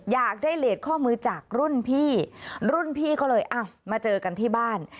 อยากได้เลสข้อมือจากรุ่นพี่รุ่นพี่ก็เลยอ้าวมาเจอกันที่บ้าน